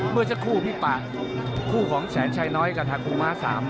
ผู้จะคู่พี่ประคุมของแสนชายน้อยกับทาคุมมาร์๓